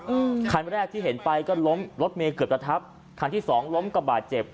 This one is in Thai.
อืมคันแรกที่เห็นไปก็ล้มรถเมย์เกือบจะทับคันที่สองล้มกระบาดเจ็บ